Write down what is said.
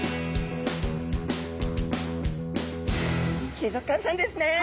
水族館さんですねえ！